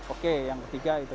oke yang ketiga itu